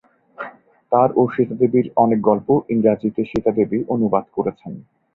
তার ও সীতা দেবীর অনেক গল্প ইংরাজীতে সীতা দেবী অনুবাদ করেছেন।